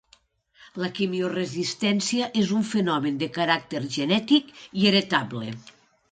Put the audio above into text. La quimioresistència és un fenomen de caràcter genètic i heretable.